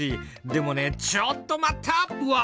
でもねちょっと待った！うわ！